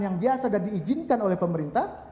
yang biasa dan diizinkan oleh pemerintah